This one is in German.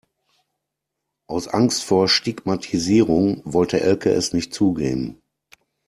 Aus Angst vor Stigmatisierung wollte Elke es nicht zugeben.